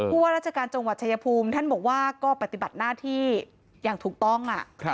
ว่าราชการจังหวัดชายภูมิท่านบอกว่าก็ปฏิบัติหน้าที่อย่างถูกต้อง